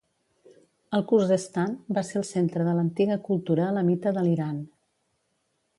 El Khuzestan va ser el centre de l'antiga cultura Elamita de l'Iran.